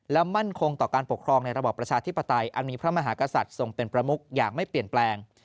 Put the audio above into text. และมั่นคงต่อการปกครองในระบอบประชาธิปไตยอันมีพระมหากษัตริย์ทรงเป็นประมุกอย่างไม่เปลี่ยนแปลง